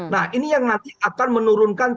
nah ini yang nanti akan menurunkan